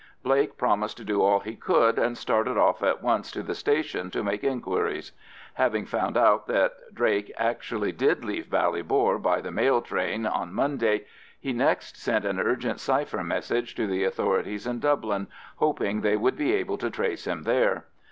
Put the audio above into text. Blake promised to do all he could, and started off at once to the station to make inquiries. Having found out that Drake actually did leave Ballybor by the mail train on Monday, he next sent an urgent cipher message to the authorities in Dublin, hoping they would be able to trace him there.